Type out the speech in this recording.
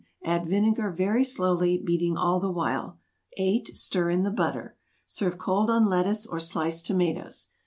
Add vinegar very slowly, beating all the while. 8. Stir in the butter. Serve cold on lettuce or sliced tomatoes.